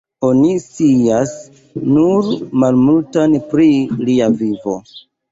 Oni scias nur malmultan pri lia vivo.